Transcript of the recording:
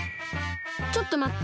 ちょっとまって！